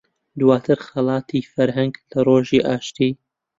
دواتر خەڵاتی فەرهەنگ لە ڕۆژی ئاشتی